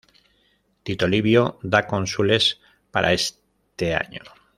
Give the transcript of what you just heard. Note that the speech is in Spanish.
Tito Livio da cónsules para este año.